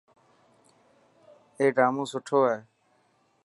اي ڊامون سٺو هي.